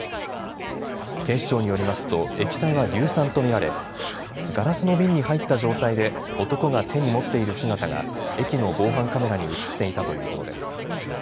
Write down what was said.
警視庁によりますと液体は硫酸と見られガラスの瓶に入った状態で男が手に持っている姿が駅の防犯カメラに写っていたということです。